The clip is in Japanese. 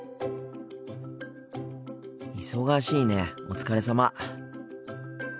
忙しいねお疲れ様。